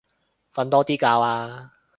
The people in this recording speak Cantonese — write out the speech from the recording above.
瞓多啲覺啊